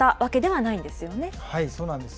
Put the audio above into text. まはい、そうなんです。